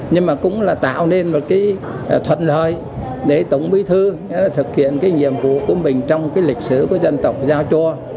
nhưng mà cũng là tạo nên một cái thuận lợi để tổng bí thư thực hiện cái nhiệm vụ của mình trong cái lịch sử của dân tộc giao cho